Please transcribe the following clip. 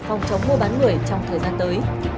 phòng chống mua bán người trong thời gian tới